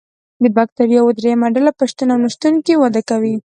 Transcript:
د بکټریاوو دریمه ډله په شتون او نشتون کې وده کوي.